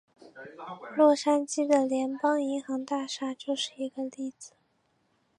洛杉矶的联邦银行大厦就是一个例子。